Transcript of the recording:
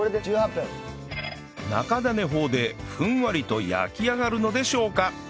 中種法でふんわりと焼き上がるのでしょうか？